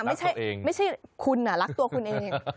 รักตัวเองไม่ใช่คุณอ่ะรักตัวคุณเอง